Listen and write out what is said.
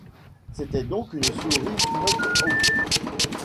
C'était donc une souris knock-out.